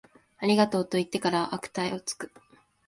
ありがとう、と言ってから悪態をつく